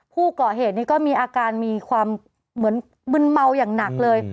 ผู้ก่อเหตุนี้ก็มีอาการมีความเหมือนมึนเมาอย่างหนักเลย